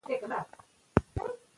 نظم او ترتیب ماشوم ته سکون ورکوي.